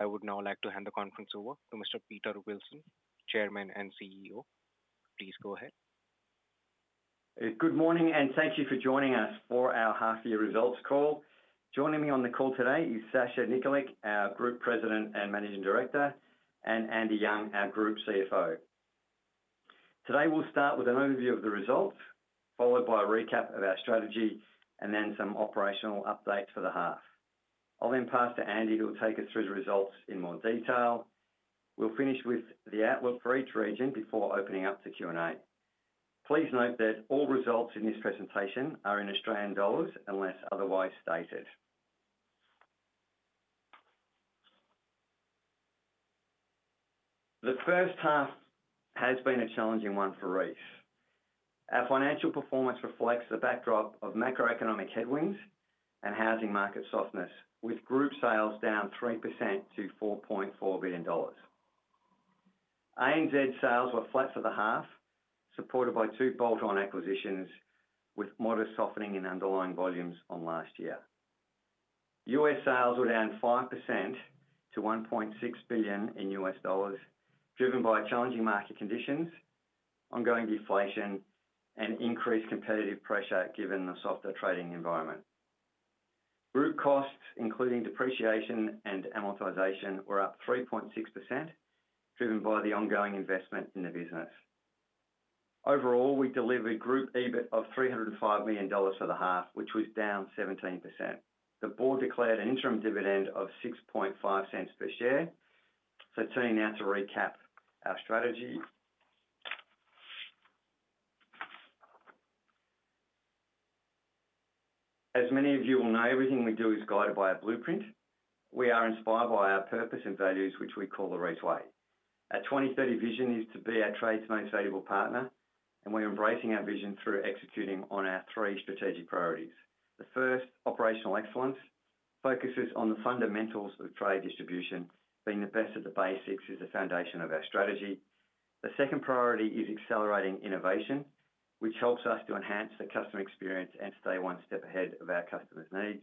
I would now like to hand the conference over to Mr. Peter Wilson, Chairman and CEO. Please go ahead. Good morning, and thank you for joining us for our half-year results call. Joining me on the call today is Sasha Nikolic, our Group President and Managing Director, and Andy Young, our Group CFO. Today we'll start with an overview of the results, followed by a recap of our strategy, and then some operational updates for the half. I'll then pass to Andy who will take us through the results in more detail. We'll finish with the outlook for each region before opening up to Q&A. Please note that all results in this presentation are in Australian dollars unless otherwise stated. The first half has been a challenging one for Reece. Our financial performance reflects the backdrop of macroeconomic headwinds and housing market softness, with group sales down 3% to 4.4 billion dollars. ANZ sales were flat for the half, supported by two bolt-on acquisitions, with modest softening in underlying volumes on last year. US sales were down 5% to $1.6 billion in US dollars, driven by challenging market conditions, ongoing deflation, and increased competitive pressure given the softer trading environment. Group costs, including depreciation and amortization, were up 3.6%, driven by the ongoing investment in the business. Overall, we delivered group EBIT of 305 million dollars for the half, which was down 17%. The board declared an interim dividend of 0.065 per share. So, turning now to recap our strategy. As many of you will know, everything we do is guided by a blueprint. We are inspired by our purpose and values, which we call the Reece Way. Our 2030 vision is to be our trade's most valuable partner, and we're embracing our vision through executing on our three strategic priorities. The first, operational excellence, focuses on the fundamentals of trade distribution. Being the best of the basics is the foundation of our strategy. The second priority is accelerating innovation, which helps us to enhance the customer experience and stay one step ahead of our customers' needs.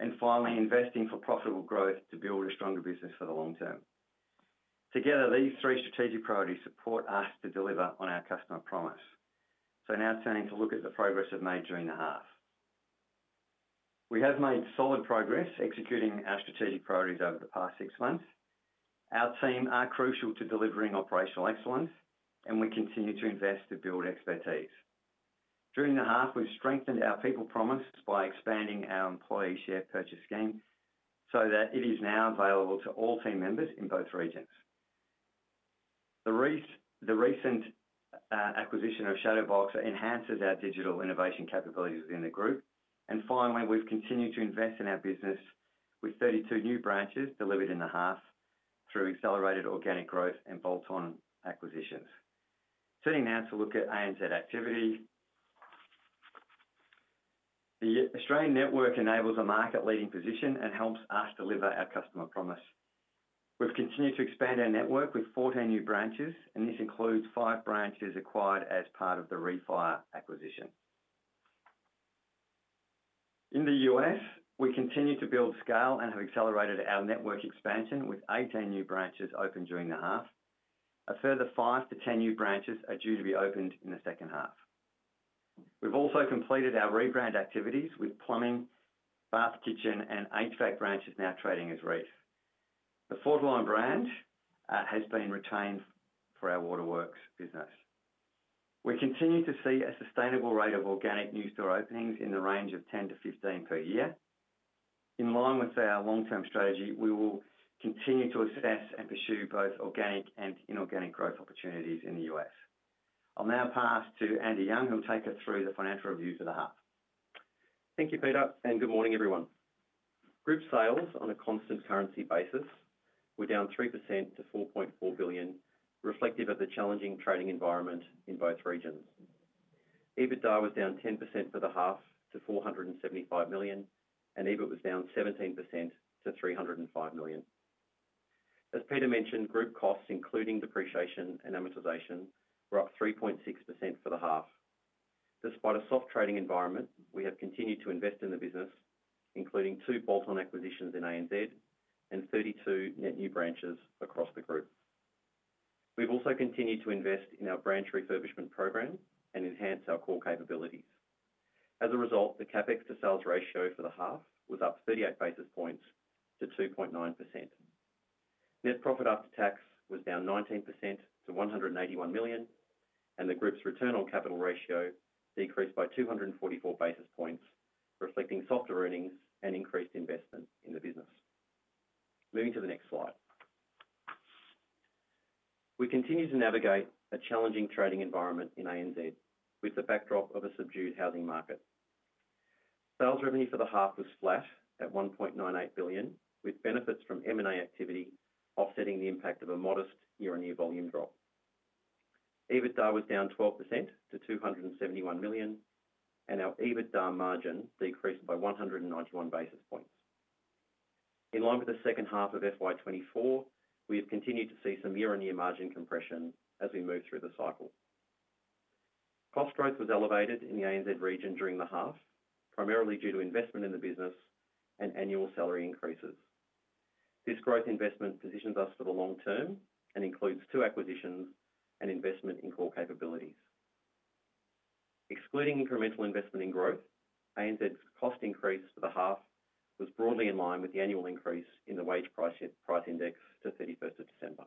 And finally, investing for profitable growth to build a stronger business for the long term. Together, these three strategic priorities support us to deliver on our customer promise. So now turning to look at the progress we've made during the half. We have made solid progress executing our strategic priorities over the past six months. Our team are crucial to delivering operational excellence, and we continue to invest to build expertise. During the half, we've strengthened our people promise by expanding our Employee Share Purchase Scheme so that it is now available to all team members in both regions. The recent acquisition of Shadowboxer enhances our digital innovation capabilities within the group. And finally, we've continued to invest in our business with 32 new branches delivered in the half through accelerated organic growth and bolt-on acquisitions. Turning now to look at ANZ activity. The Australian network enables a market-leading position and helps us deliver our customer promise. We've continued to expand our network with 14 new branches, and this includes five branches acquired as part of the ReFire acquisition. In the US, we continue to build scale and have accelerated our network expansion with 18 new branches open during the half. A further five to 10 new branches are due to be opened in the second half. We've also completed our rebrand activities with plumbing, bath, kitchen, and HVAC branches now trading as Reece. The Fortiline brand has been retained for our waterworks business. We continue to see a sustainable rate of organic new store openings in the range of 10-15 per year. In line with our long-term strategy, we will continue to assess and pursue both organic and inorganic growth opportunities in the U.S. I'll now pass to Andy Young, who will take us through the financial reviews of the half. Thank you, Peter, and good morning, everyone. Group sales on a constant currency basis were down 3% to $4.4 billion, reflective of the challenging trading environment in both regions. EBITDA was down 10% for the half to $475 million, and EBIT was down 17% to $305 million. As Peter mentioned, group costs, including depreciation and amortization, were up 3.6% for the half. Despite a soft trading environment, we have continued to invest in the business, including two bolt-on acquisitions in ANZ and 32 net new branches across the group. We've also continued to invest in our branch refurbishment program and enhance our core capabilities. As a result, the capex to sales ratio for the half was up 38 basis points to 2.9%. Net profit after tax was down 19% to 181 million, and the group's return on capital ratio decreased by 244 basis points, reflecting softer earnings and increased investment in the business. Moving to the next slide. We continue to navigate a challenging trading environment in ANZ with the backdrop of a subdued housing market. Sales revenue for the half was flat at 1.98 billion, with benefits from M&A activity offsetting the impact of a modest year-on-year volume drop. EBITDA was down 12% to 271 million, and our EBITDA margin decreased by 191 basis points. In line with the second half of FY24, we have continued to see some year-on-year margin compression as we move through the cycle. Cost growth was elevated in the ANZ region during the half, primarily due to investment in the business and annual salary increases. This growth investment positions us for the long term and includes two acquisitions and investment in core capabilities. Excluding incremental investment in growth, ANZ's cost increase for the half was broadly in line with the annual increase in the Wage Price Index to 31st of December.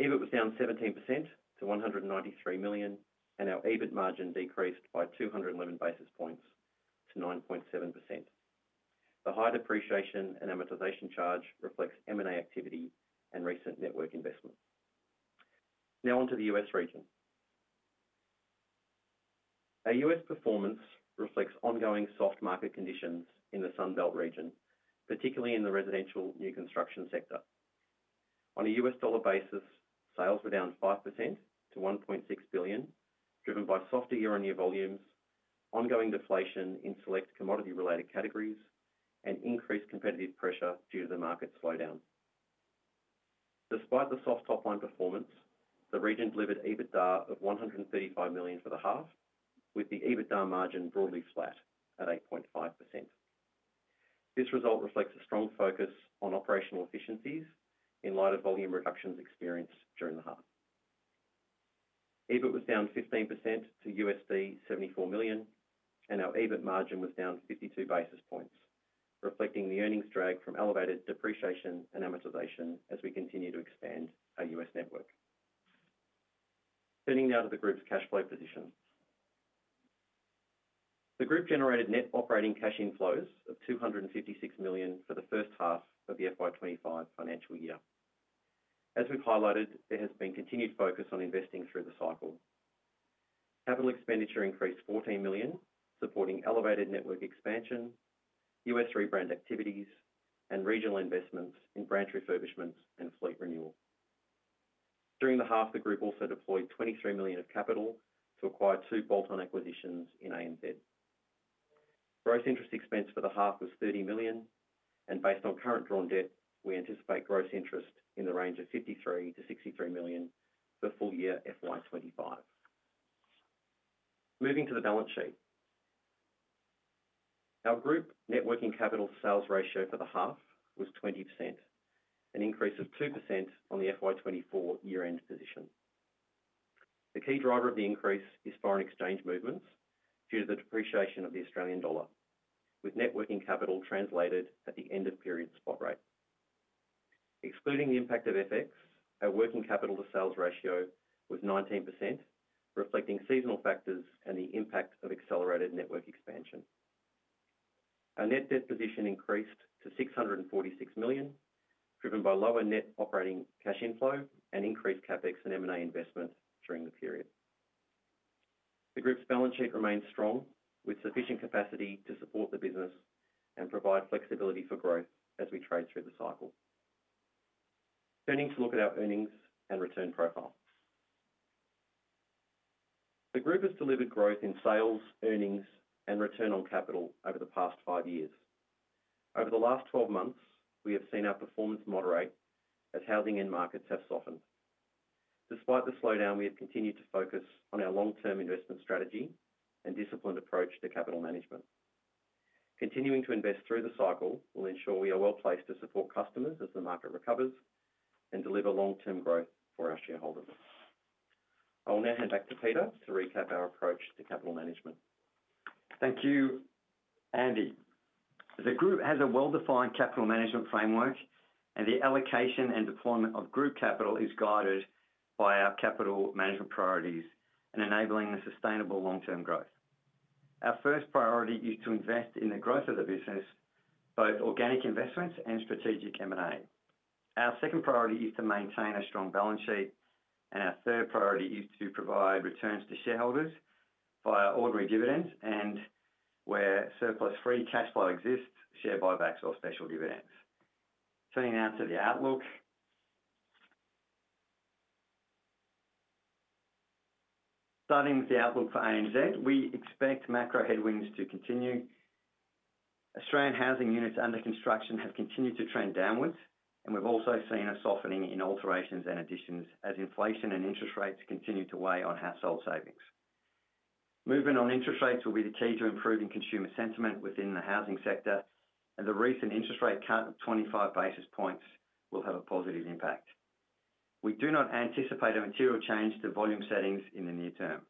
EBIT was down 17% to 193 million, and our EBIT margin decreased by 211 basis points to 9.7%. The high depreciation and amortization charge reflects M&A activity and recent network investment. Now on to the U.S. region. Our U.S. performance reflects ongoing soft market conditions in the Sunbelt region, particularly in the residential new construction sector. On a U.S. dollar basis, sales were down 5% to $1.6 billion, driven by softer year-on-year volumes, ongoing deflation in select commodity-related categories, and increased competitive pressure due to the market slowdown. Despite the soft top-line performance, the region delivered EBITDA of $135 million for the half, with the EBITDA margin broadly flat at 8.5%. This result reflects a strong focus on operational efficiencies in light of volume reductions experienced during the half. EBIT was down 15% to $74 million, and our EBIT margin was down 52 basis points, reflecting the earnings drag from elevated depreciation and amortization as we continue to expand our US network. Turning now to the group's cash flow position. The group generated net operating cash inflows of 256 million for the first half of the FY25 financial year. As we've highlighted, there has been continued focus on investing through the cycle. Capital expenditure increased 14 million, supporting elevated network expansion, US rebrand activities, and regional investments in branch refurbishments and fleet renewal. During the half, the group also deployed 23 million of capital to acquire two bolt-on acquisitions in ANZ. Gross interest expense for the half was 30 million, and based on current drawn debt, we anticipate gross interest in the range of 53 to 63 million for full year FY25. Moving to the balance sheet. Our group net working capital sales ratio for the half was 20%, an increase of 2% on the FY24 year-end position. The key driver of the increase is foreign exchange movements due to the depreciation of the Australian dollar, with net working capital translated at the end-of-period spot rate. Excluding the impact of FX, our working capital to sales ratio was 19%, reflecting seasonal factors and the impact of accelerated network expansion. Our net debt position increased to 646 million, driven by lower net operating cash inflow and increased CapEx and M&A investment during the period. The group's balance sheet remains strong, with sufficient capacity to support the business and provide flexibility for growth as we trade through the cycle. Turning to look at our earnings and return profile. The group has delivered growth in sales, earnings, and return on capital over the past five years. Over the last 12 months, we have seen our performance moderate as housing end markets have softened. Despite the slowdown, we have continued to focus on our long-term investment strategy and disciplined approach to capital management. Continuing to invest through the cycle will ensure we are well placed to support customers as the market recovers and deliver long-term growth for our shareholders. I will now hand back to Peter to recap our approach to capital management. Thank you, Andy. The group has a well-defined capital management framework, and the allocation and deployment of group capital is guided by our capital management priorities and enabling a sustainable long-term growth. Our first priority is to invest in the growth of the business, both organic investments and strategic M&A. Our second priority is to maintain a strong balance sheet, and our third priority is to provide returns to shareholders via ordinary dividends and where surplus free cash flow exists, share buybacks or special dividends. Turning now to the outlook. Starting with the outlook for ANZ, we expect macro headwinds to continue. Australian housing units under construction have continued to trend downward, and we've also seen a softening in alterations and additions as inflation and interest rates continue to weigh on household savings. Movement on interest rates will be the key to improving consumer sentiment within the housing sector, and the recent interest rate cut of 25 basis points will have a positive impact. We do not anticipate a material change to volume settings in the near term.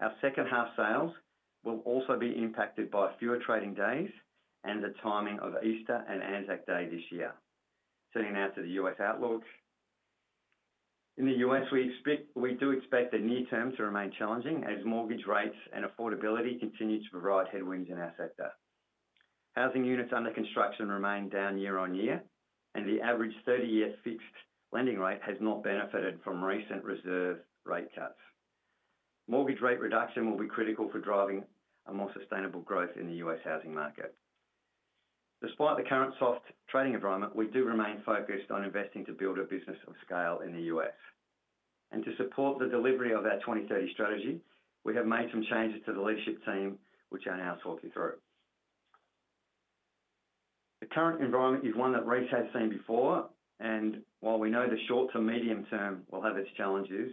Our second half sales will also be impacted by fewer trading days and the timing of Easter and ANZAC Day this year. Turning now to the U.S. outlook. In the U.S., we do expect the near term to remain challenging as mortgage rates and affordability continue to provide headwinds in our sector. Housing units under construction remain down year on year, and the average 30-year fixed lending rate has not benefited from recent reserve rate cuts. Mortgage rate reduction will be critical for driving a more sustainable growth in the U.S. housing market. Despite the current soft trading environment, we do remain focused on investing to build a business of scale in the U.S., and to support the delivery of our 2030 strategy, we have made some changes to the leadership team, which I'll now talk you through. The current environment is one that Reece has seen before, and while we know the short to medium term will have its challenges,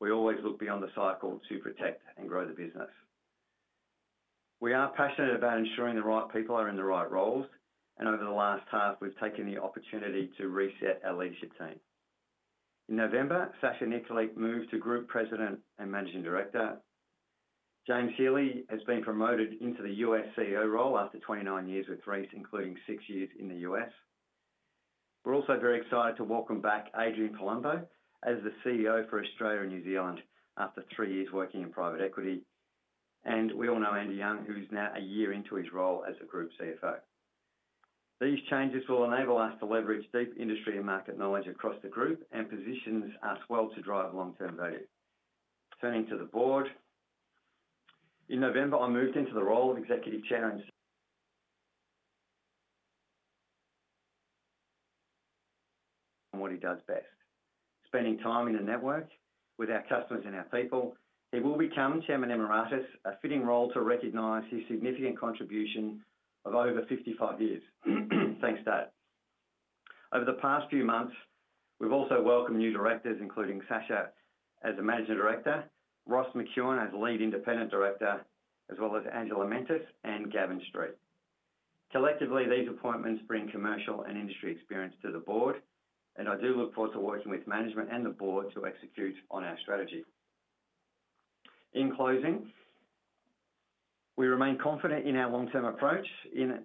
we always look beyond the cycle to protect and grow the business. We are passionate about ensuring the right people are in the right roles, and over the last half, we've taken the opportunity to reset our leadership team. In November, Sasha Nikolic moved to Group President and Managing Director. James Healy has been promoted into the U.S. CEO role after 29 years with Reece, including six years in the U.S. We're also very excited to welcome back Adrian Palumbo as the CEO for Australia and New Zealand after three years working in private equity. We all know Andy Young, who is now a year into his role as the Group CFO. These changes will enable us to leverage deep industry and market knowledge across the group and positions us well to drive long-term value. Turning to the board. In November, I moved into the role of Executive Chair and see what he does best. Spending time in the network with our customers and our people, he will become Chairman Emeritus, a fitting role to recognize his significant contribution of over 55 years. Thanks, Dad. Over the past few months, we've also welcomed new directors, including Sasha as a Managing Director, Ross McEwan as Lead Independent Director, as well as Angela Mentis and Gavin Street. Collectively, these appointments bring commercial and industry experience to the board, and I do look forward to working with management and the board to execute on our strategy. In closing, we remain confident in our long-term approach. In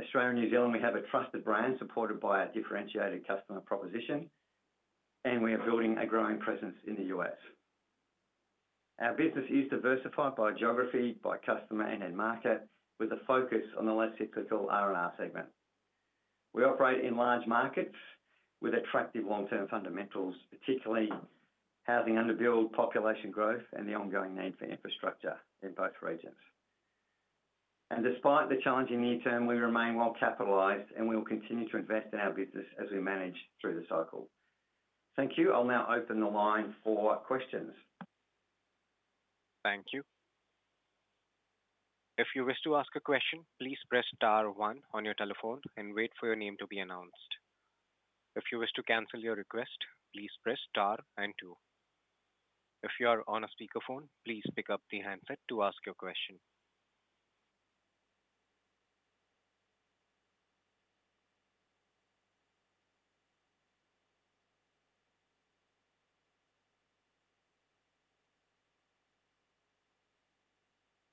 Australia and New Zealand, we have a trusted brand supported by our differentiated customer proposition, and we are building a growing presence in the US. Our business is diversified by geography, by customer and end market, with a focus on the less cyclical R&R segment. We operate in large markets with attractive long-term fundamentals, particularly housing underbuild, population growth, and the ongoing need for infrastructure in both regions, and despite the challenging near term, we remain well capitalized, and we will continue to invest in our business as we manage through the cycle. Thank you. I'll now open the line for questions. Thank you. If you wish to ask a question, please press star one on your telephone and wait for your name to be announced. If you wish to cancel your request, please press star and two. If you are on a speakerphone, please pick up the handset to ask your question.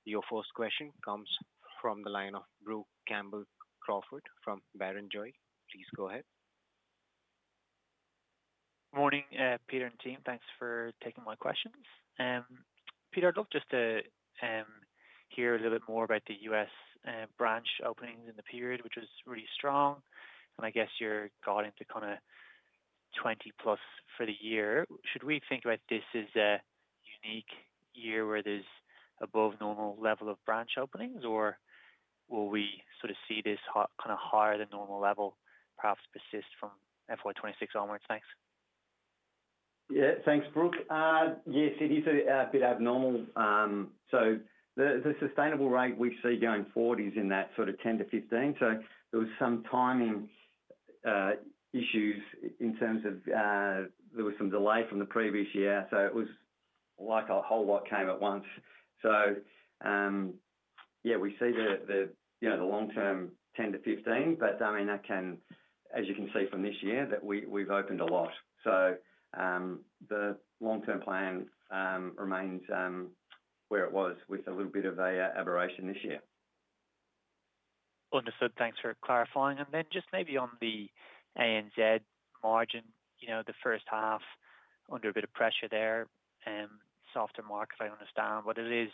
Your first question comes from the line of Brook Campbell-Crawford from Barrenjoey. Please go ahead. Morning, Peter and team. Thanks for taking my questions. Peter, I'd love just to hear a little bit more about the US branch openings in the period, which was really strong. And I guess you're guiding to kind of 20 plus for the year. Should we think about this as a unique year where there's above normal level of branch openings, or will we sort of see this kind of higher than normal level perhaps persist from FY26 onwards? Thanks. Yeah, thanks, Brook. Yes, it is a bit abnormal. So the sustainable rate we see going forward is in that sort of 10-15. So there was some timing issues in terms of there was some delay from the previous year. So it was like a whole lot came at once. So yeah, we see the long-term 10-15, but I mean, as you can see from this year, that we've opened a lot. So the long-term plan remains where it was with a little bit of an aberration this year. Understood. Thanks for clarifying. And then just maybe on the ANZ margin, the first half under a bit of pressure there, softer market, I understand, but it is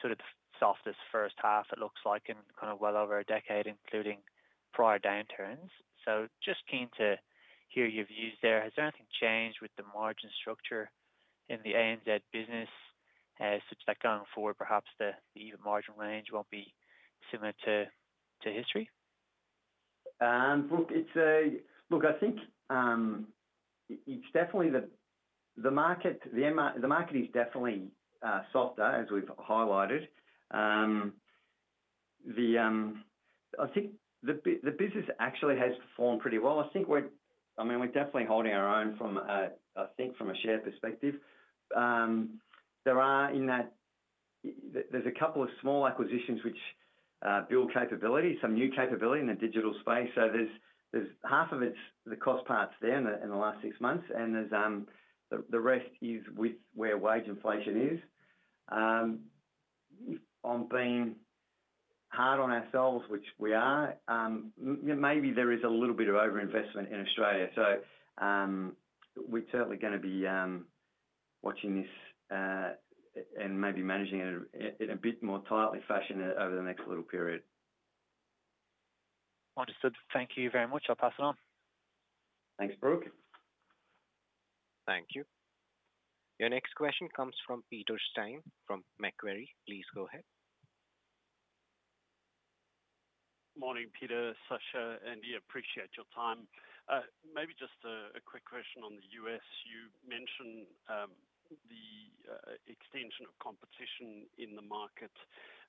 sort of the softest first half, it looks like, in kind of well over a decade, including prior downturns. So just keen to hear your views there. Has there anything changed with the margin structure in the ANZ business such that going forward, perhaps the even margin range won't be similar to history? Look, I think it's definitely the market is definitely softer, as we've highlighted. I think the business actually has performed pretty well. I think we're definitely holding our own from, I think, from a share perspective. There are, in that, a couple of small acquisitions which build capability, some new capability in the digital space. So there's half of the cost pressures there in the last six months, and the rest is with where wage inflation is. If I'm being hard on ourselves, which we are, maybe there is a little bit of overinvestment in Australia. So we're certainly going to be watching this and maybe managing it in a bit tighter fashion over the next little period. Understood. Thank you very much. I'll pass it on. Thanks, Brooke. Thank you. Your next question comes from Peter Steyn from Macquarie. Please go ahead. Morning, Peter, Sasha, and yeah, appreciate your time. Maybe just a quick question on the U.S. You mentioned the extension of competition in the market,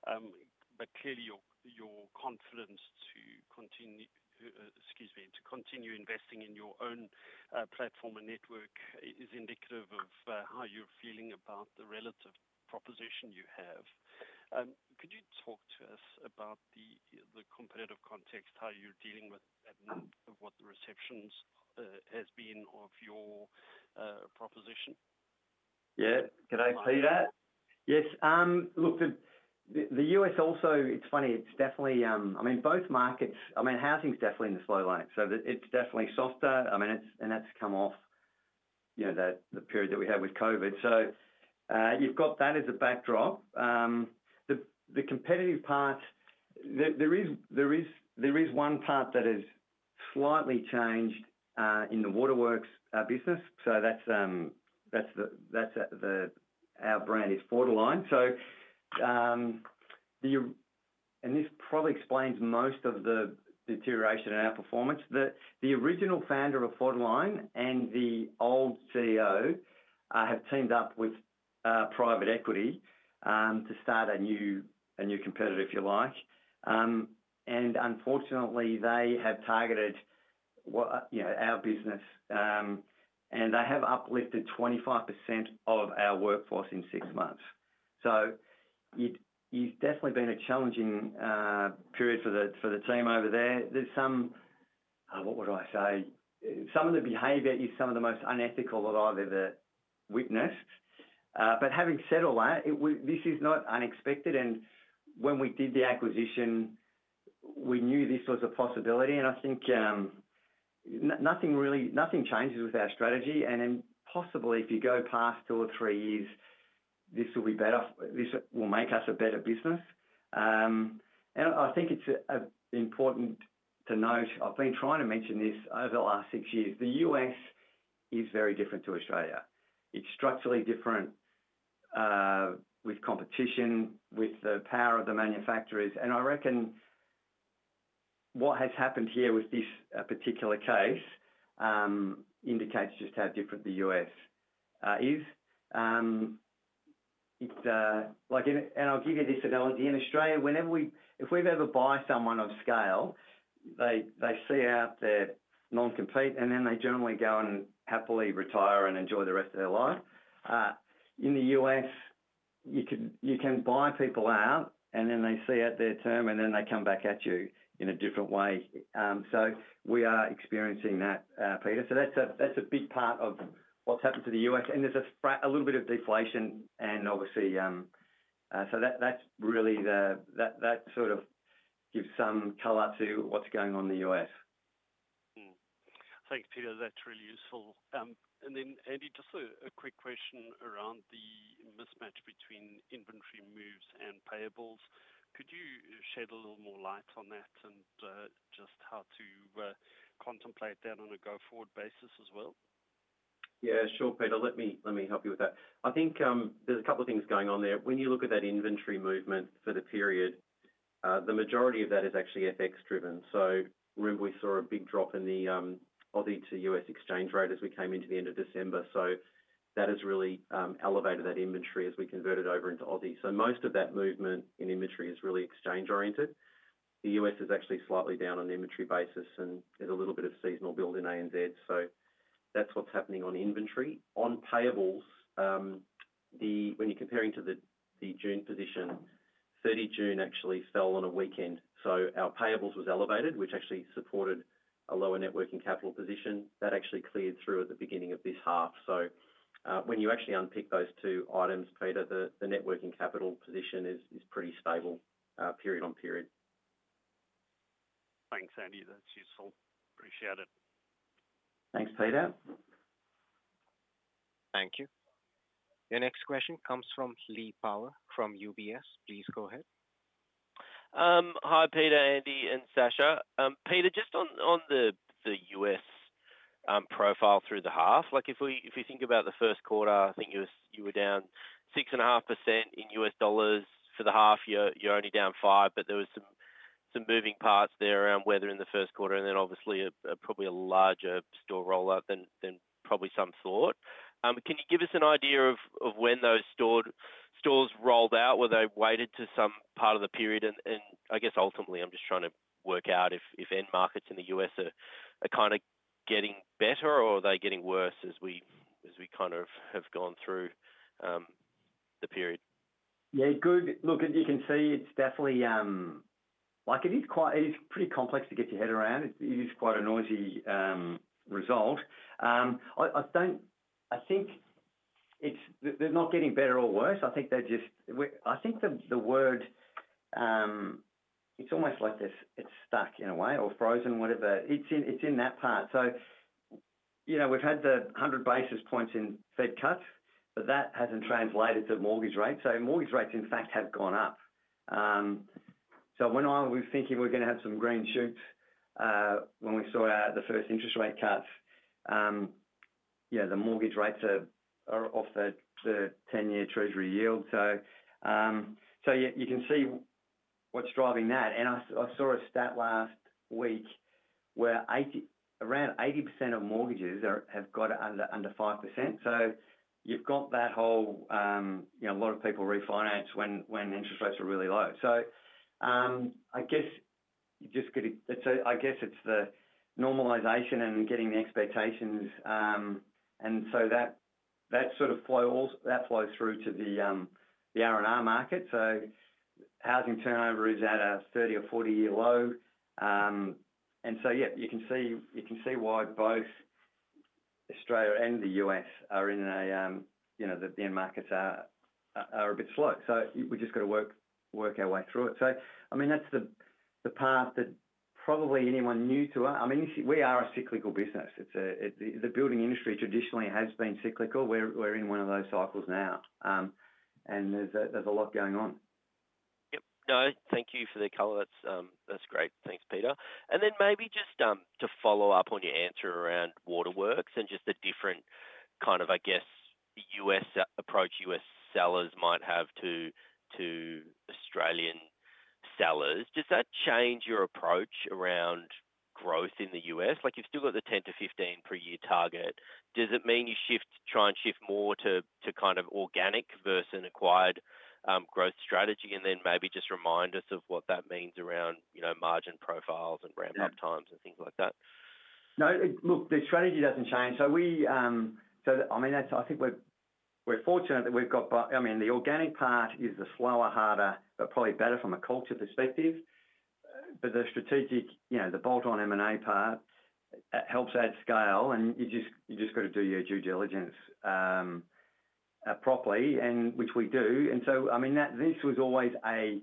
but clearly your confidence to continue, excuse me, to continue investing in your own platform and network is indicative of how you're feeling about the relative proposition you have. Could you talk to us about the competitive context, how you're dealing with what the reception has been of your proposition? Yeah. Can I play that? Yes. Look, the US also, it's funny. It's definitely, I mean, both markets, I mean, housing's definitely in the slow lane. So it's definitely softer, I mean, and that's come off the period that we had with COVID. So you've got that as a backdrop. The competitive part, there is one part that has slightly changed in the waterworks business. So that's our brand is Fortiline. And this probably explains most of the deterioration in our performance. The original founder of Fortiline and the old CEO have teamed up with private equity to start a new competitor, if you like. And unfortunately, they have targeted our business, and they have uplifted 25% of our workforce in six months. So it's definitely been a challenging period for the team over there. There's some, what would I say? Some of the behavior is some of the most unethical that I've ever witnessed. But having said all that, this is not unexpected. And when we did the acquisition, we knew this was a possibility. And I think nothing changes with our strategy. And possibly, if you go past two or three years, this will be better. This will make us a better business. And I think it's important to note, I've been trying to mention this over the last six years, the U.S. is very different to Australia. It's structurally different with competition, with the power of the manufacturers. And I reckon what has happened here with this particular case indicates just how different the U.S. is. And I'll give you this analogy. In Australia, if we've ever bought someone of scale, they see out their non-compete, and then they generally go and happily retire and enjoy the rest of their life. In the U.S., you can buy people out, and then they see out their term, and then they come back at you in a different way. So we are experiencing that, Peter. So that's a big part of what's happened to the U.S., and there's a little bit of deflation and obviously, so that's really that sort of gives some color to what's going on in the U.S. Thanks, Peter. That's really useful, and then, Andy, just a quick question around the mismatch between inventory moves and payables. Could you shed a little more light on that and just how to contemplate that on a go-forward basis as well? Yeah, sure, Peter. Let me help you with that. I think there's a couple of things going on there. When you look at that inventory movement for the period, the majority of that is actually FX-driven. So remember we saw a big drop in the Aussie to US exchange rate as we came into the end of December. So that has really elevated that inventory as we converted over into Aussie. So most of that movement in inventory is really exchange-oriented. The US is actually slightly down on the inventory basis and there's a little bit of seasonal build in ANZ. So that's what's happening on inventory. On payables, when you're comparing to the June position, 30 June actually fell on a weekend. So our payables was elevated, which actually supported a lower working capital position. That actually cleared through at the beginning of this half. So when you actually unpick those two items, Peter, the net working capital position is pretty stable period on period. Thanks, Andy. That's useful. Appreciate it. Thanks, Peter. Thank you. Your next question comes from Lee Power from UBS. Please go ahead. Hi, Peter, Andy, and Sasha. Peter, just on the U.S. profile through the half, if we think about the first quarter, I think you were down 6.5% in U.S. dollars for the half year. You're only down 5%, but there were some moving parts there around weather in the first quarter and then obviously probably a larger store rollout than probably some thought. Can you give us an idea of when those stores rolled out? Were they weighted to some part of the period? And I guess ultimately, I'm just trying to work out if end markets in the U.S. are kind of getting better or are they getting worse as we kind of have gone through the period? Yeah, good. Look, as you can see, it's definitely like it is quite pretty complex to get your head around. It is quite a noisy result. I think they're not getting better or worse. I think they're just, the word, it's almost like it's stuck in a way or frozen, whatever. It's in that part. So we've had the 100 basis points in Fed cuts, but that hasn't translated to mortgage rates. So mortgage rates, in fact, have gone up. So when I was thinking we were going to have some green shoots when we saw the first interest rate cuts, yeah, the mortgage rates are off the 10-year Treasury yield. So you can see what's driving that. And I saw a stat last week where around 80% of mortgages have got under 5%. So you've got a whole lot of people refinance when interest rates are really low. So I guess you just get it. So I guess it's the normalization and getting the expectations. And so that sort of flows through to the R&R market. So housing turnover is at a 30- or 40-year low. And so yeah, you can see why both Australia and the U.S. end markets are a bit slow. So we've just got to work our way through it. So I mean, that's the path that probably anyone new to us. I mean, we are a cyclical business. The building industry traditionally has been cyclical. We're in one of those cycles now. And there's a lot going on. Yep. No, thank you for the color. That's great. Thanks, Peter. And then maybe just to follow up on your answer around waterworks and just the different kind of, I guess, U.S. approach U.S. sellers might have to Australian sellers, does that change your approach around growth in the U.S.? You've still got the 10-15 per year target. Does it mean you try and shift more to kind of organic versus an acquired growth strategy and then maybe just remind us of what that means around margin profiles and ramp-up times and things like that? No, look, the strategy doesn't change. So I mean, I think we're fortunate that we've got I mean, the organic part is the slower, harder, but probably better from a culture perspective. But the strategic, the bolt-on M&A part helps add scale, and you just got to do your due diligence properly, which we do. And so I mean, this was always a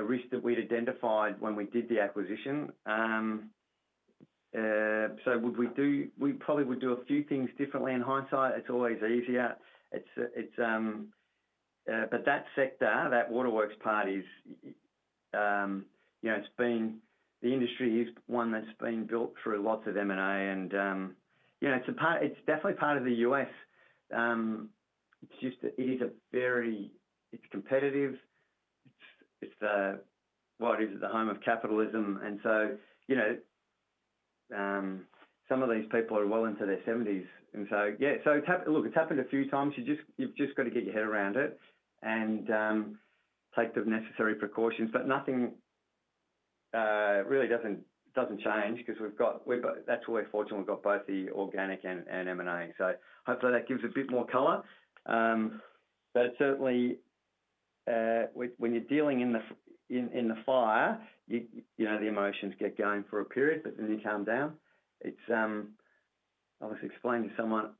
risk that we'd identified when we did the acquisition. So we probably would do a few things differently in hindsight. It's always easier. But that sector, that waterworks part, it's been the industry is one that's been built through lots of M&A. And it's definitely part of the U.S. It is a very it's competitive. It's the, what is it, the home of capitalism. And so some of these people are well into their 70s. And so yeah, so look, it's happened a few times. You've just got to get your head around it and take the necessary precautions, but nothing really doesn't change because we've got that's why we're fortunate. We've got both the organic and M&A, so hopefully that gives a bit more color, but certainly, when you're dealing in the fire, the emotions get going for a period, but then you calm down. It's obviously explained to someone.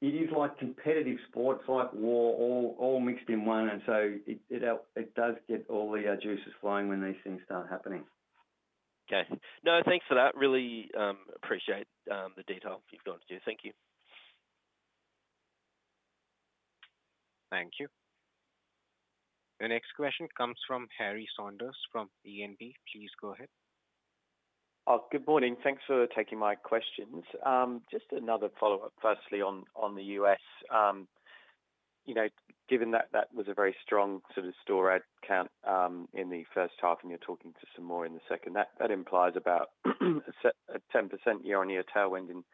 It is like competitive sports, like war, all mixed in one, and so it does get all the juices flowing when these things start happening. Okay. No, thanks for that. Really appreciate the detail you've gone to. Thank you. Thank you. Your next question comes from Harry Saunders from E&P. Please go ahead. Oh, good morning. Thanks for taking my questions. Just another follow-up, firstly on the US. Given that that was a very strong sort of store add count in the first half, and you're talking to some more in the second, that implies about a 10% year-on-year tailwind in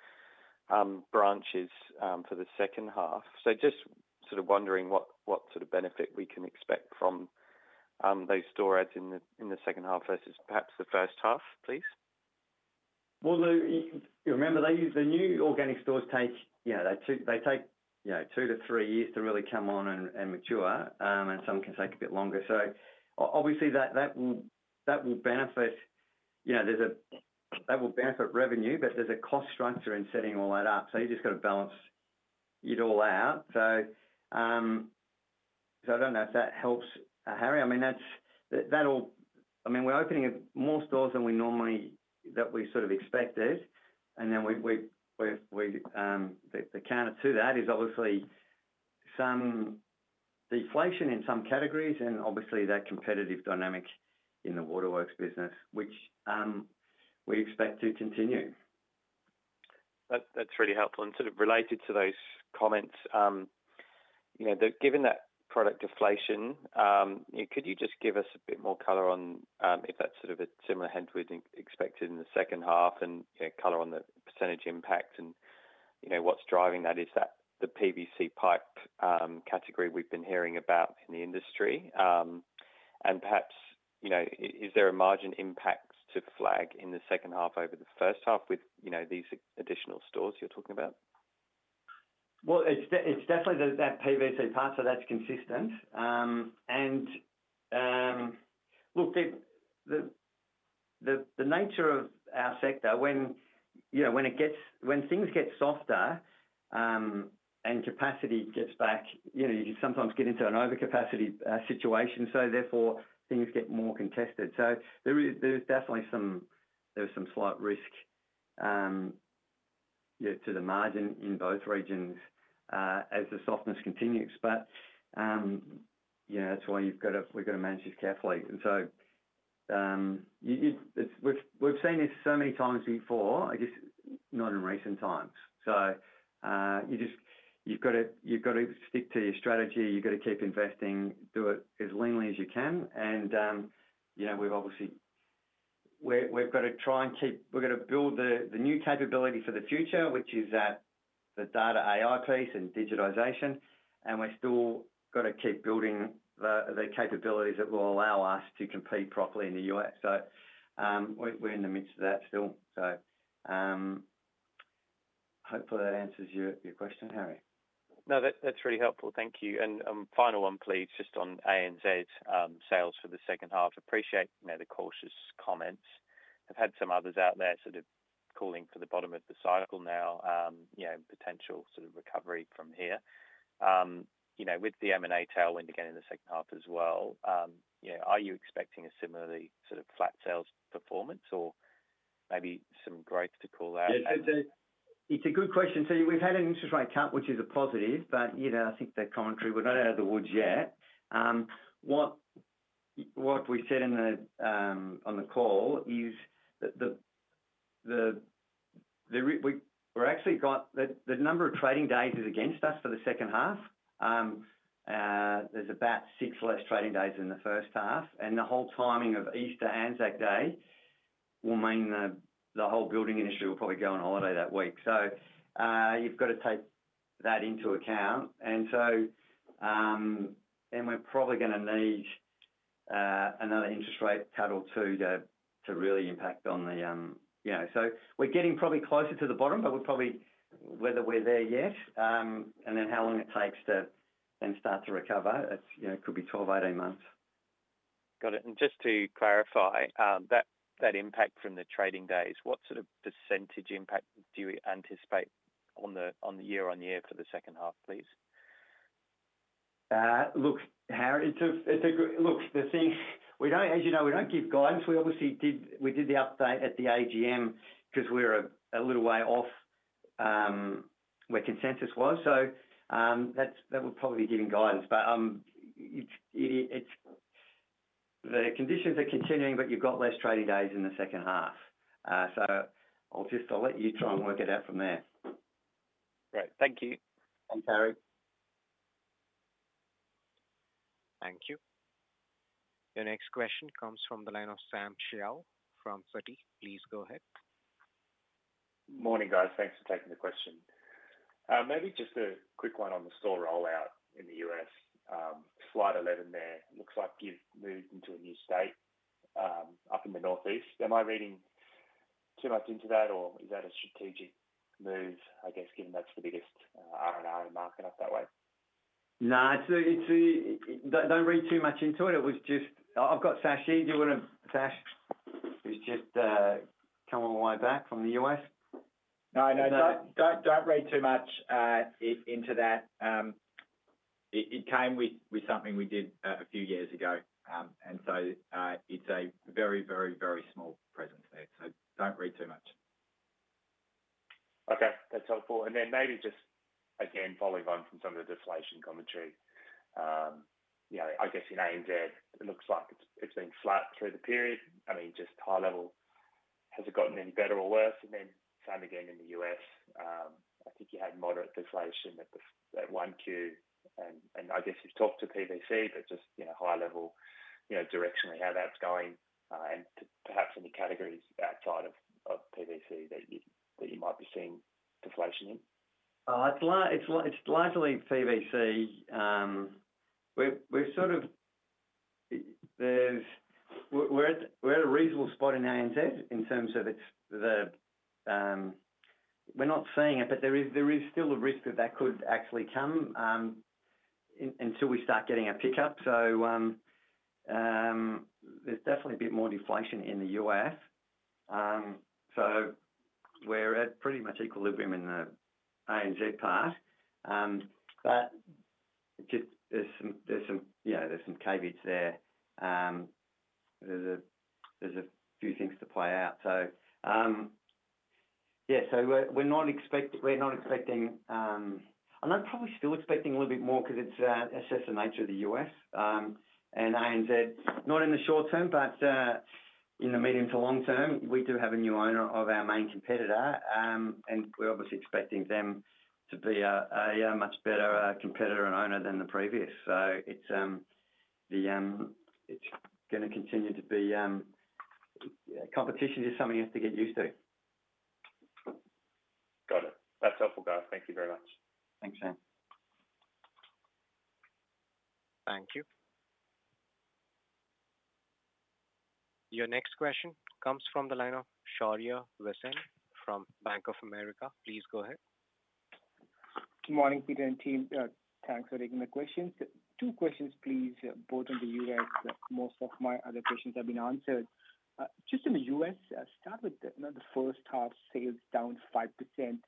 branches for the second half. So just sort of wondering what sort of benefit we can expect from those store adds in the second half versus perhaps the first half, please. Remember, the new organic stores take two to three years to really come on and mature, and some can take a bit longer. So obviously, that will benefit revenue, but there's a cost structure in setting all that up. So you just got to balance it all out. So I don't know if that helps, Harry. I mean, that's all I mean, we're opening more stores than we normally sort of expected. And then the counter to that is obviously some deflation in some categories and obviously that competitive dynamic in the waterworks business, which we expect to continue. That's really helpful, and sort of related to those comments, given that product deflation, could you just give us a bit more color on if that's sort of a similar headwind expected in the second half and color on the percentage impact and what's driving that? Is that the PVC pipe category we've been hearing about in the industry, and perhaps, is there a margin impact to flag in the second half over the first half with these additional stores you're talking about? It's definitely that PVC part, so that's consistent. Look, the nature of our sector, when things get softer and capacity gets back, you can sometimes get into an overcapacity situation. Therefore, things get more contested. There is definitely some slight risk to the margin in both regions as the softness continues. That's why we've got to manage this carefully. We've seen this so many times before, I guess, not in recent times. You've got to stick to your strategy. You've got to keep investing, do it as leanly as you can. We've obviously got to try and keep building the new capability for the future, which is the data AI piece and digitization. And we've still got to keep building the capabilities that will allow us to compete properly in the U.S. So we're in the midst of that still. So hopefully that answers your question, Harry. No, that's really helpful. Thank you. And final one, please, just on ANZ's sales for the second half. Appreciate the cautious comments. I've had some others out there sort of calling for the bottom of the cycle now, potential sort of recovery from here. With the M&A tailwind again in the second half as well, are you expecting a similarly sort of flat sales performance or maybe some growth to call out? It's a good question. We've had an interest rate cut, which is a positive, but I think we're not out of the woods yet. What we said on the call is that we've actually got the number of trading days against us for the second half. There's about six less trading days in the second half. And the whole timing of Easter Anzac Day will mean the whole building industry will probably go on holiday that week. You've got to take that into account. And we're probably going to need another interest rate cut or two to really impact, so we're getting probably closer to the bottom, but we're probably not sure whether we're there yet and then how long it takes to then start to recover. It could be 12-18 months. Got it. And just to clarify, that impact from the trading days, what sort of percentage impact do you anticipate on the year-on-year for the second half, please? Look, Harry, it's a look, the thing we don't as you know, we don't give guidance. We obviously did the update at the AGM because we were a little way off where consensus was. So that would probably be giving guidance. But the conditions are continuing, but you've got less trading days in the second half. So I'll just let you try and work it out from there. Great. Thank you. Thanks, Harry. Thank you. Your next question comes from the line of Sam Seow from Citi. Please go ahead. Morning, guys. Thanks for taking the question. Maybe just a quick one on the store rollout in the U.S. Slide 11 there looks like you've moved into a new state up in the Northeast. Am I reading too much into that, or is that a strategic move, I guess, given that's the biggest R&R market up that way? No, it's a don't read too much into it. It was just I've got Sasha here. Do you want to, Sasha, who's just come all the way back from the US? No, no, don't read too much into that. It came with something we did a few years ago, and so it's a very, very, very small presence there, so don't read too much. Okay. That's helpful. And then maybe just, again, following on from some of the deflation commentary, I guess in ANZ, it looks like it's been flat through the period. I mean, just high level, has it gotten any better or worse? And then same again in the US. I think you had moderate deflation at 1Q. And I guess you've talked to PVC, but just high level, directionally how that's going and perhaps any categories outside of PVC that you might be seeing deflation in? It's largely PVC. We're sort of at a reasonable spot in ANZ in terms of the. We're not seeing it, but there is still a risk that that could actually come until we start getting a pickup. So there's definitely a bit more deflation in the U.S. So we're at pretty much equilibrium in the ANZ part. But there's some caveats there. There's a few things to play out. So yeah, so we're not expecting. I'm probably still expecting a little bit more because it's just the nature of the U.S. And ANZ, not in the short term, but in the medium to long term, we do have a new owner of our main competitor. And we're obviously expecting them to be a much better competitor and owner than the previous. So it's going to continue to be. Competition is something you have to get used to. Got it. That's helpful, guys. Thank you very much. Thanks, Sam. Thank you. Your next question comes from the line of Shaurya Visen from Bank of America. Please go ahead. Good morning, Peter, and Tim. Thanks for taking the questions. Two questions, please, both in the US. Most of my other questions have been answered. Just in the US, start with the first half sales down 5%.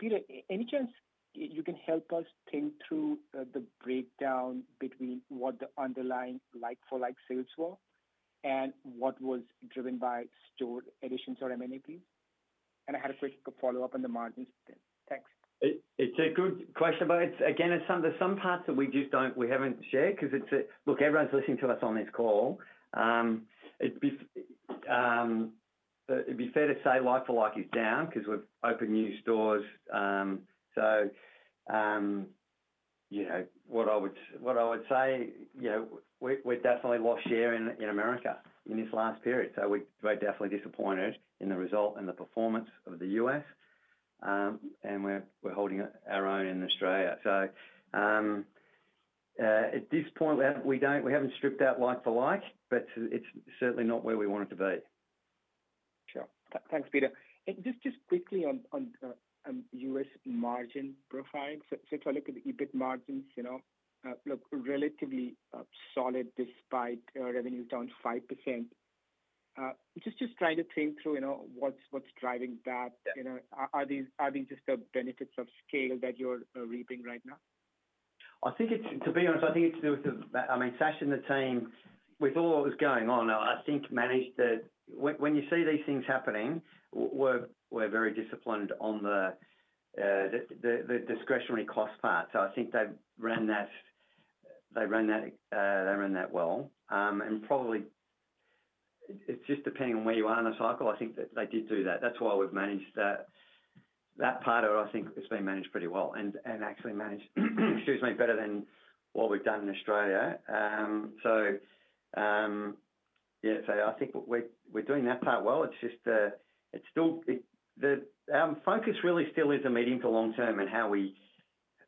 Peter, any chance you can help us think through the breakdown between what the underlying like-for-like sales were and what was driven by store additions or M&A, please? And I had a quick follow-up on the margins then. Thanks. It's a good question. But again, there's some parts that we just haven't shared because it's a look, everyone's listening to us on this call. It'd be fair to say like-for-like is down because we've opened new stores. So what I would say, we've definitely lost share in America in this last period. So we're definitely disappointed in the result and the performance of the US. And we're holding our own in Australia. So at this point, we haven't stripped out like-for-like, but it's certainly not where we want it to be. Sure. Thanks, Peter. And just quickly on U.S. margin profile. So if I look at the EBIT margins, look, relatively solid despite revenue down 5%. Just trying to think through what's driving that. Are these just the benefits of scale that you're reaping right now? I think it's, to be honest, I think it's to do with. I mean, Sasha and the team, with all what was going on, I think managed to when you see these things happening, we're very disciplined on the discretionary cost part. So I think they've run that they run that well. And probably it's just depending on where you are in the cycle. I think that they did do that. That's why we've managed that part of it, I think it's been managed pretty well and actually managed, excuse me, better than what we've done in Australia. So yeah, so I think we're doing that part well. It's just that our focus really still is the medium to long term and how we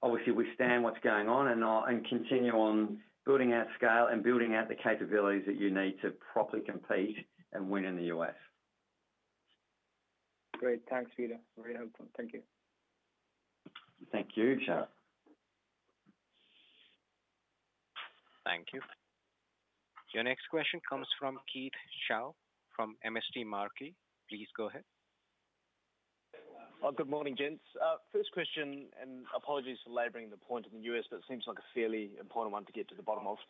obviously withstand what's going on and continue on building out scale and building out the capabilities that you need to properly compete and win in the U.S. Great. Thanks, Peter. Very helpful. Thank you. Thank you. Thank you. Your next question comes from Keith Chau from MST Marquee. Please go ahead. Good morning, gents. First question, and apologies for labeling the point in the U.S., but it seems like a fairly important one to get to the bottom of.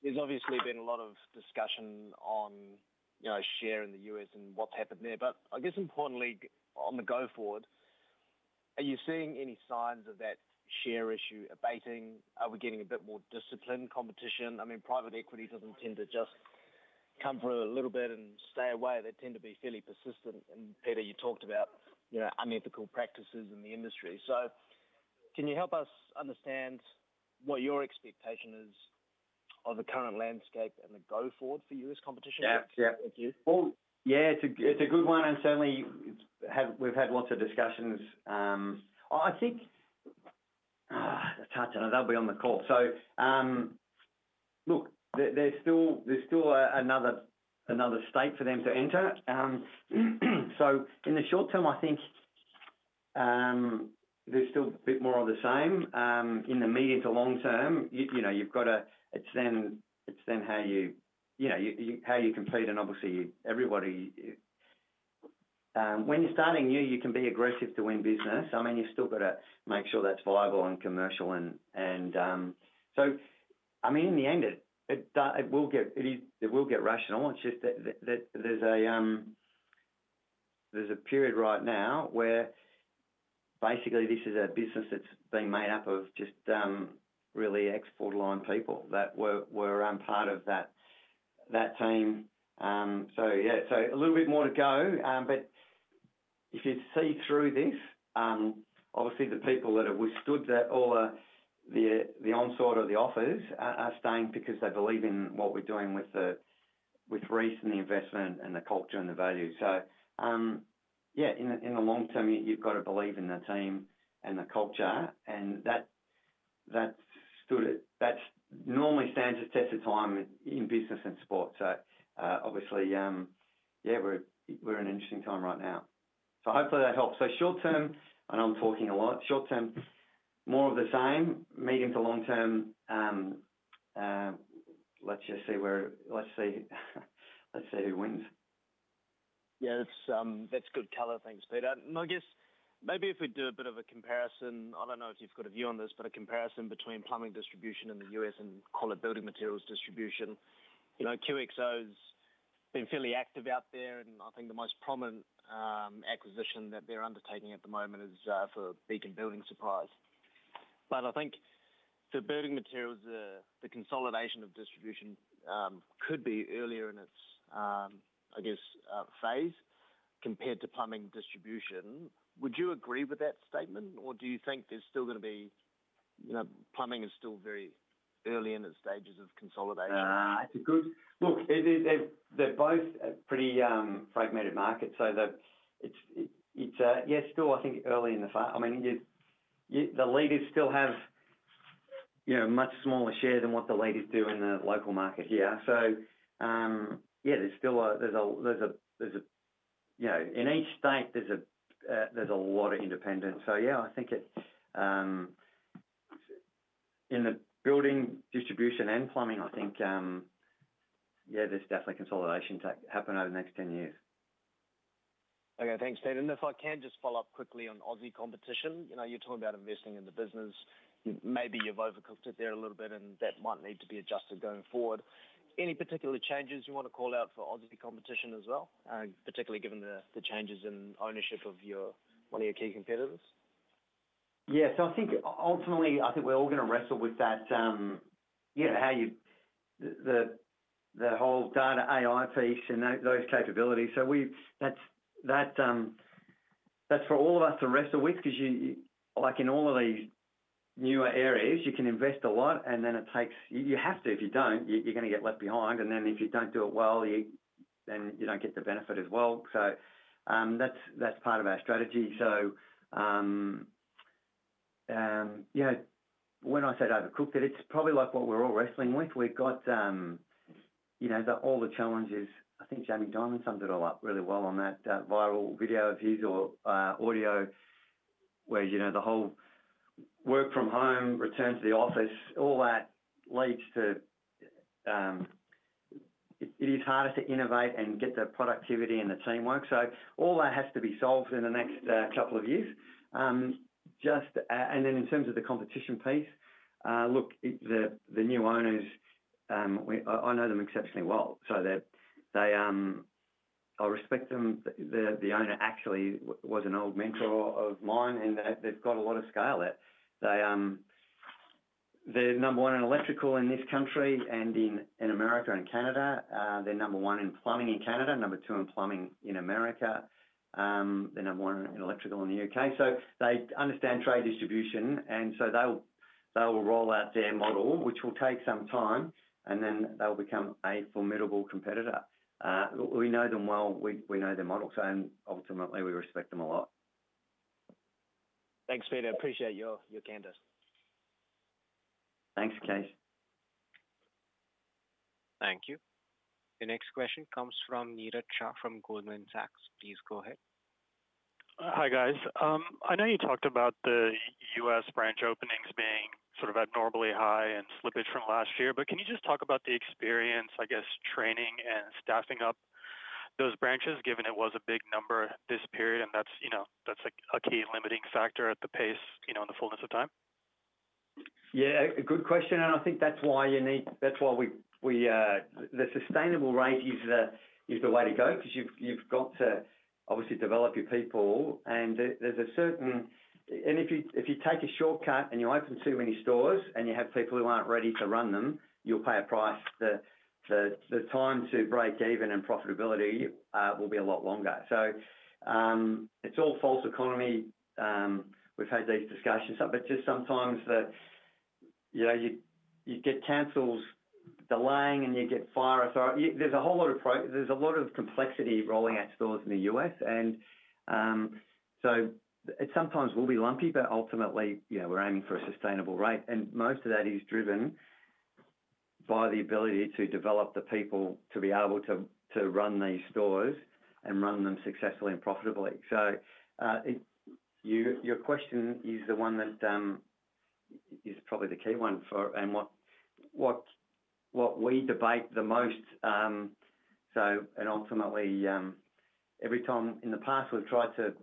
There's obviously been a lot of discussion on share in the U.S. and what's happened there. But I guess importantly, on the go forward, are you seeing any signs of that share issue abating? Are we getting a bit more disciplined competition? I mean, private equity doesn't tend to just come through a little bit and stay away. They tend to be fairly persistent. And Peter, you talked about unethical practices in the industry. So can you help us understand what your expectation is of the current landscape and the go forward for U.S. competition? Yeah. Well, yeah, it's a good one. And certainly, we've had lots of discussions. I think it's hard to know. They'll be on the call. So look, there's still another state for them to enter. So in the short term, I think there's still a bit more of the same. In the medium to long term, you've got to, it's then how you compete. And obviously, everybody when you're starting new, you can be aggressive to win business. I mean, you've still got to make sure that's viable and commercial. And so I mean, in the end, it will get rational. It's just that there's a period right now where basically this is a business that's been made up of just really export-aligned people that were part of that team. So yeah, a little bit more to go. But if you see through this, obviously the people that have withstood that, all the onslaught or the offers are staying because they believe in what we're doing with Reece and the investment and the culture and the value. So yeah, in the long term, you've got to believe in the team and the culture. And that normally stands the test of time in business and sport. So obviously, yeah, we're in an interesting time right now. So hopefully that helps. So short term, and I'm talking a lot, short term, more of the same. Medium to long term, let's just see where let's see who wins. Yeah, that's good color. Thanks, Peter. And I guess maybe if we do a bit of a comparison, I don't know if you've got a view on this, but a comparison between plumbing distribution in the U.S. and quality building materials distribution. QXO's been fairly active out there. And I think the most prominent acquisition that they're undertaking at the moment is for Beacon Building Products. But I think for building materials, the consolidation of distribution could be earlier in its, I guess, phase compared to plumbing distribution. Would you agree with that statement, or do you think plumbing is still very early in its stages of consolidation? That's a good look. They're both a pretty fragmented market. So it's, yeah, still, I think early in the, I mean, the leaders still have a much smaller share than what the leaders do in the local market here. So yeah, there's still a lot of independence in each state. So yeah, I think in the building distribution and plumbing, I think, yeah, there's definitely consolidation to happen over the next 10 years. Okay. Thanks, David. And if I can just follow up quickly on Aussie competition, you're talking about investing in the business. Maybe you've overcooked it there a little bit, and that might need to be adjusted going forward. Any particular changes you want to call out for Aussie competition as well, particularly given the changes in ownership of one of your key competitors? Yeah. So I think ultimately, I think we're all going to wrestle with that, yeah, how you the whole data AI piece and those capabilities. So that's for all of us to wrestle with because in all of these newer areas, you can invest a lot, and then it takes you have to. If you don't, you're going to get left behind. And then if you don't do it well, then you don't get the benefit as well. So that's part of our strategy. So yeah, when I say overcooked, it's probably like what we're all wrestling with. We've got all the challenges. I think Jamie Dimon summed it all up really well on that viral video of his or audio where the whole work from home, return to the office, all that leads to it is harder to innovate and get the productivity and the teamwork. So all that has to be solved in the next couple of years. And then in terms of the competition piece, look, the new owners, I know them exceptionally well. So I respect them. The owner actually was an old mentor of mine, and they've got a lot of scale there. They're number one in electrical in this country and in America and Canada. They're number one in plumbing in Canada, number two in plumbing in America. They're number one in electrical in the U.K. So they understand trade distribution. And so they'll roll out their model, which will take some time, and then they'll become a formidable competitor. We know them well. We know their models. And ultimately, we respect them a lot. Thanks, Peter. Appreciate your candor. Thanks, Keith. Thank you. The next question comes from Niraj Shah from Goldman Sachs. Please go ahead. Hi, guys. I know you talked about the U.S. branch openings being sort of abnormally high and slippage from last year. But can you just talk about the experience, I guess, training and staffing up those branches, given it was a big number this period, and that's a key limiting factor at the pace and the fullness of time? Yeah, good question. I think that's why the sustainable rate is the way to go because you've got to obviously develop your people. If you take a shortcut and you open too many stores and you have people who aren't ready to run them, you'll pay a price. The time to break even and profitability will be a lot longer. It's all false economy. We've had these discussions. Sometimes you get councils delaying and you get fire authority. There's a lot of complexity rolling out stores in the U.S. It sometimes will be lumpy, but ultimately, we're aiming for a sustainable rate. Most of that is driven by the ability to develop the people to be able to run these stores and run them successfully and profitably. Your question is the one that is probably the key one and what we debate the most. And ultimately, every time in the past, we've tried to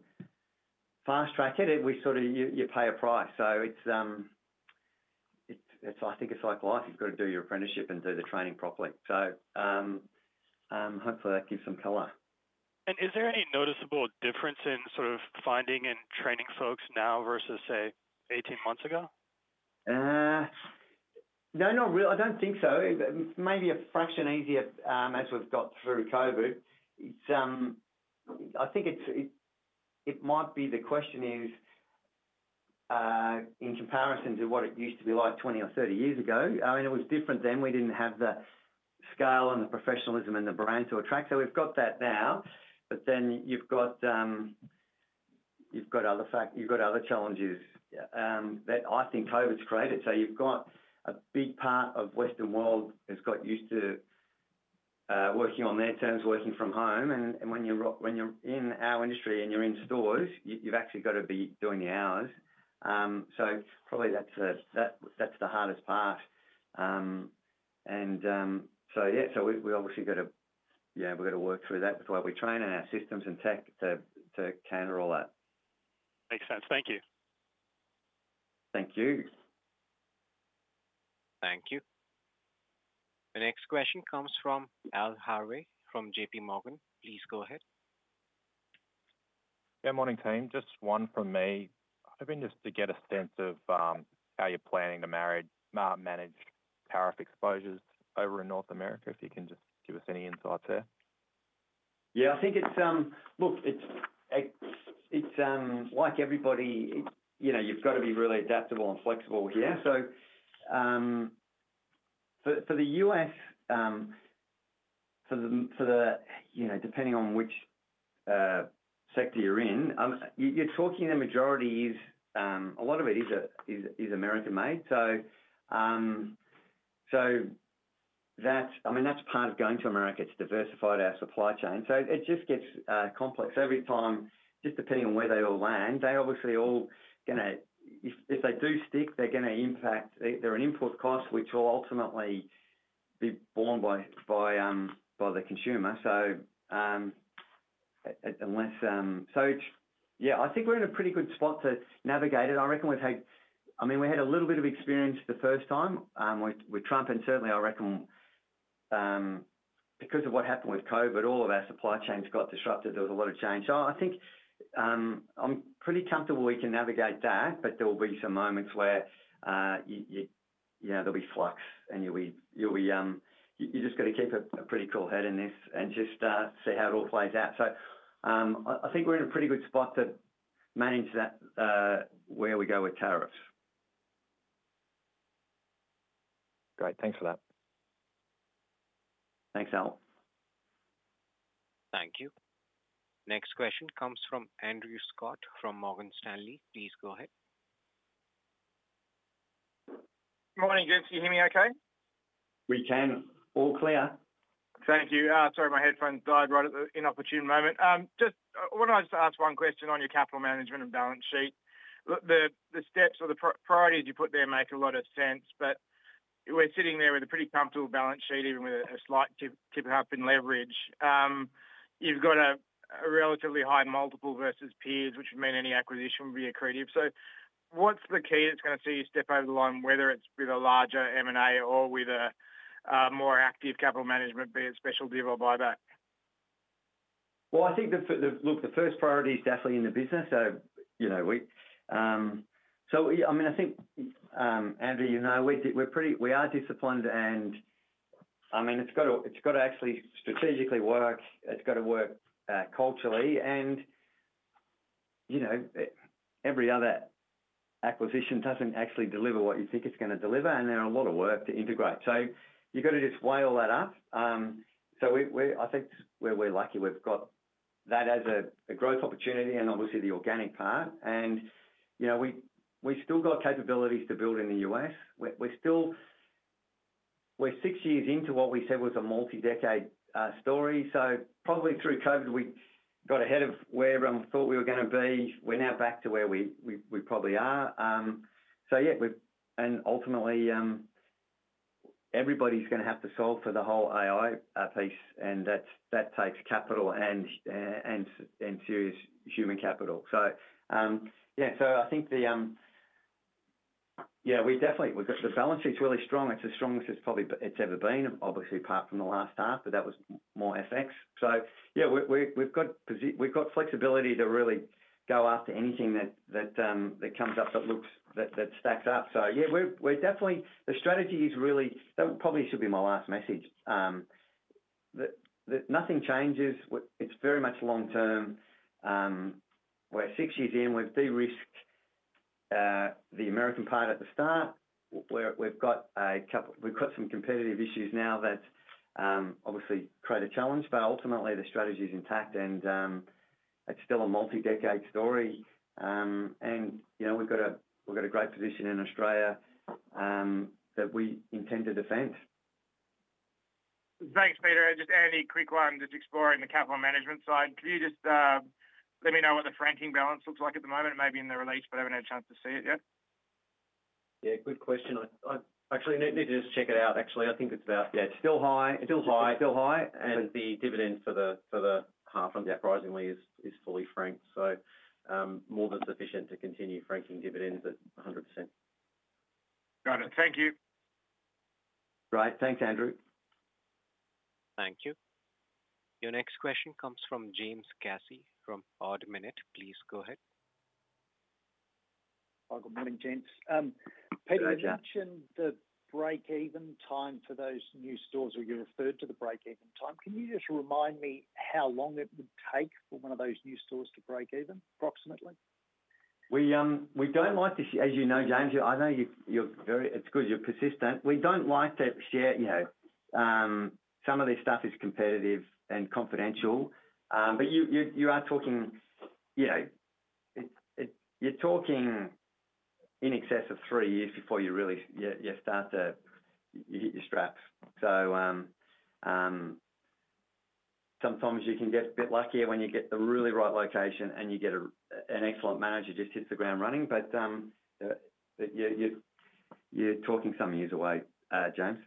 fast track it, we sort of you pay a price. I think it's like life. You've got to do your apprenticeship and do the training properly. Hopefully, that gives some color. Is there any noticeable difference in sort of finding and training folks now versus, say, 18 months ago? No, not really. I don't think so. Maybe a fraction easier, as we've got through COVID. I think it might be. The question is in comparison to what it used to be like 20 or 30 years ago. I mean, it was different then. We didn't have the scale and the professionalism and the brand to attract. So we've got that now. But then you've got other factors. You've got other challenges that I think COVID's created. So you've got a big part of Western world has got used to working on their terms, working from home. And when you're in our industry and you're in stores, you've actually got to be doing the hours. So probably that's the hardest part. And so we've got to work through that with the way we train and our systems and tech to counter all that. Makes sense. Thank you. Thank you. Thank you. The next question comes from Al Harvey from J.P. Morgan. Please go ahead. Good morning, team. Just one from me. I just want to get a sense of how you're planning to manage tariff exposures over in North America, if you can just give us any insights there. Yeah, I think it's like everybody. You've got to be really adaptable and flexible here. So for the U.S., depending on which sector you're in, you're talking the majority is a lot of it is American-made. So I mean, that's part of going to America. It's diversified our supply chain. So it just gets complex every time, just depending on where they all land. They're obviously all going to, if they do stick, impact their import costs, which will ultimately be borne by the consumer. So unless, so yeah, I think we're in a pretty good spot to navigate it. I reckon we've had. I mean, we had a little bit of experience the first time with Trump. And certainly, I reckon because of what happened with COVID, all of our supply chains got disrupted. There was a lot of change. So, I think I'm pretty comfortable we can navigate that, but there will be some moments where there'll be flux, and you'll, you've just got to keep a pretty cool head in this and just see how it all plays out. So, I think we're in a pretty good spot to manage that where we go with tariffs. Great. Thanks for that. Thanks, Al. Thank you. Next question comes from Andrew Scott from Morgan Stanley. Please go ahead. Good morning, Gents. Can you hear me okay? We can. All clear. Thank you. Sorry, my headphones died right at the inopportune moment. Just wanted to ask one question on your capital management and balance sheet. The steps or the priorities you put there make a lot of sense. But we're sitting there with a pretty comfortable balance sheet, even with a slight tick-up in leverage. You've got a relatively high multiple versus peers, which would mean any acquisition would be accretive. So what's the key that's going to see you step over the line, whether it's with a larger M&A or with a more active capital management, be it special div or buyback? I think the look, the first priority is definitely in the business. So I mean, I think, Andrew, you know we're pretty disciplined. And I mean, it's got to actually strategically work. It's got to work culturally. And every other acquisition doesn't actually deliver what you think it's going to deliver. And there are a lot of work to integrate. So you've got to just weigh all that up. I think where we're lucky, we've got that as a growth opportunity and obviously the organic part. And we've still got capabilities to build in the U.S. We're six years into what we said was a multi-decade story. Probably through COVID, we got ahead of where we thought we were going to be. We're now back to where we probably are. Yeah, and ultimately, everybody's going to have to solve for the whole AI piece. And that takes capital and serious human capital. So yeah, I think yeah, we definitely. The balance sheet's really strong. It's as strong as it's probably ever been, obviously, apart from the last half, but that was more FX. So yeah, we've got flexibility to really go after anything that comes up that stacks up. So yeah, we're definitely. The strategy is really that. Probably should be my last message. Nothing changes. It's very much long term. We're six years in. We've de-risked the American part at the start. We've got some competitive issues now that obviously create a challenge. But ultimately, the strategy is intact, and it's still a multi-decade story. And we've got a great position in Australia that we intend to defend. Thanks, Peter. Just adding a quick one, just exploring the capital management side. Can you just let me know what the franking balance looks like at the moment, maybe in the release, but I haven't had a chance to see it yet? Yeah, good question. I actually need to just check it out. Actually, I think it's still high. The dividend for the half-year, surprisingly, is fully franked, so more than sufficient to continue franking dividends at 100%. Got it. Thank you. Great. Thanks, Andrew. Thank you. Your next question comes from James Casey from Ord Minnett. Please go ahead. Hi, good morning, James. Hi, James. Peter mentioned the break-even time for those new stores that you referred to, the break-even time. Can you just remind me how long it would take for one of those new stores to break even, approximately? We don't like to, as you know, James. I know it's good you're persistent. We don't like to share some of this stuff. It's competitive and confidential, but you are talking in excess of three years before you really start to hit your straps, so sometimes you can get a bit luckier when you get the really right location and you get an excellent manager just hits the ground running, but you're talking some years away, James.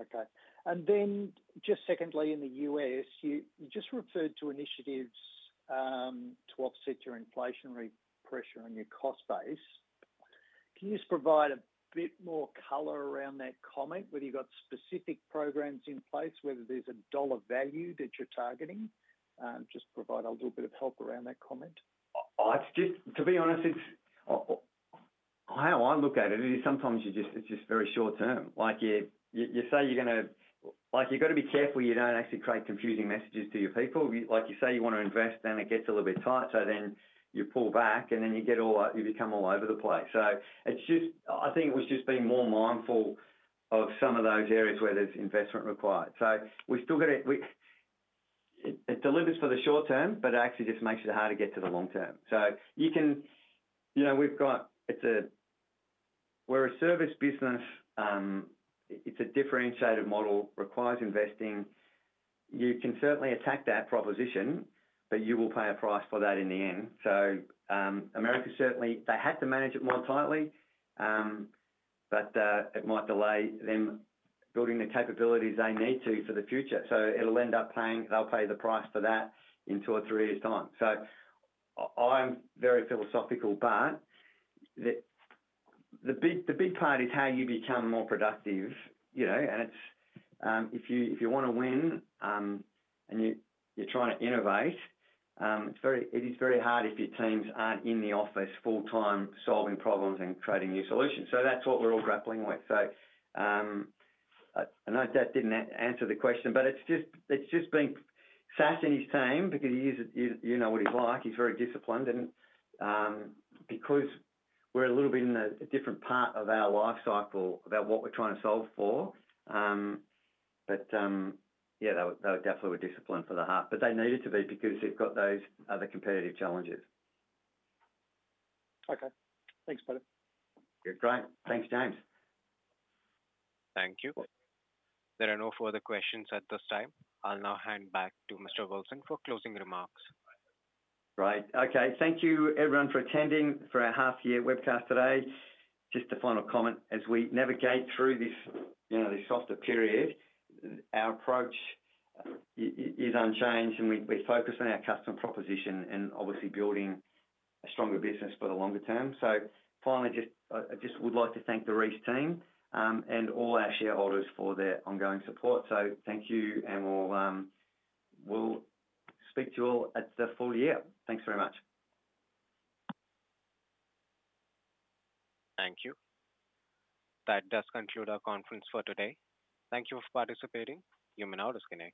Okay. And then just secondly, in the U.S., you just referred to initiatives to offset your inflationary pressure on your cost base. Can you just provide a bit more color around that comment, whether you've got specific programs in place, whether there's a dollar value that you're targeting? Just provide a little bit of help around that comment. To be honest, how I look at it is sometimes it's just very short term. You say you're going to, you've got to be careful you don't actually create confusing messages to your people. You say you want to invest, then it gets a little bit tight, so then you pull back, and then you get all you become all over the place. So I think it was just being more mindful of some of those areas where there's investment required. So we've still got to, it delivers for the short term, but it actually just makes it harder to get to the long term. So you can, we've got, we're a service business. It's a differentiated model, requires investing. You can certainly attack that proposition, but you will pay a price for that in the end. So America, certainly, they had to manage it more tightly, but it might delay them building the capabilities they need to for the future. So it'll end up. They'll pay the price for that in two or three years' time. So I'm very philosophical, but the big part is how you become more productive. And if you want to win and you're trying to innovate, it is very hard if your teams aren't in the office full-time solving problems and creating new solutions. So that's what we're all grappling with. So I know that didn't answer the question, but it's just being Sasha in his team because you know what he's like. He's very disciplined. And because we're a little bit in a different part of our life cycle about what we're trying to solve for, but yeah, they definitely were disciplined for the half. But they needed to be because they've got those other competitive challenges. Okay. Thanks, Peter. You're great. Thanks, James. Thank you. There are no further questions at this time. I'll now hand back to Mr. Wilson for closing remarks. Great. Okay. Thank you, everyone, for attending for our half-year webcast today. Just a final comment. As we navigate through this softer period, our approach is unchanged, and we focus on our customer proposition and obviously building a stronger business for the longer term. So finally, I just would like to thank the Reece team and all our shareholders for their ongoing support. So thank you, and we'll speak to you all at the full year. Thanks very much. Thank you. That does conclude our conference for today. Thank you for participating. You may now disappear.